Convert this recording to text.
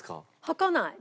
吐かない。